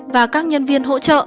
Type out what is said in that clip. và các nhân viên hỗ trợ